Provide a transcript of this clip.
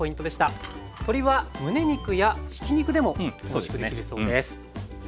鶏は胸肉やひき肉でもおいしくできるそうです。